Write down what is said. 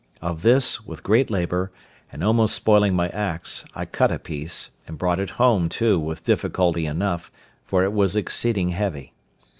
Of this, with great labour, and almost spoiling my axe, I cut a piece, and brought it home, too, with difficulty enough, for it was exceeding heavy.